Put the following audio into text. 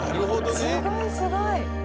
すごいすごい。